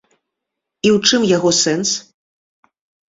І ў чым яго сэнс?